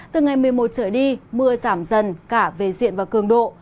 từ ngày một mươi một trở đi mưa giảm dần cả về diện và cường độ